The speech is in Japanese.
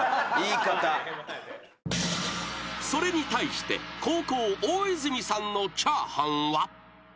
［それに対して後攻大泉さんの炒飯は］